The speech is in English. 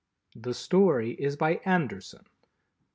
The Story is by "Anderson."